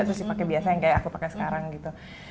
terus dipakai biasa yang kayak aku pakai sekarang gitu